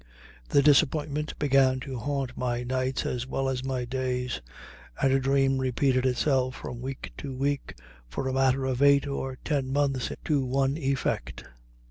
The disappointment began to haunt my nights as well as my days, and a dream repeated itself from week to week for a matter of eight or ten months to one effect.